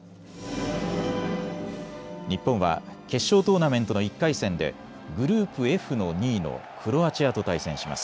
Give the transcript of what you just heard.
日本は決勝トーナメントの１回戦でグループＦの２位のクロアチアと対戦します。